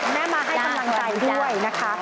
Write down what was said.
แม่มาให้กำลังใจด้วยนะคะ